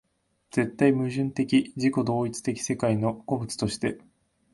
絶対矛盾的自己同一的世界の個物として